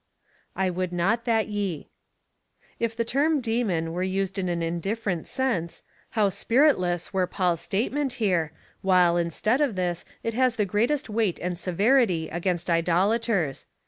I would not that ye. If the term demon were used in an indiiferent sense, how spiritless were Paul's statement here, while, instead of this, it has the greatest weight and severity against idolaters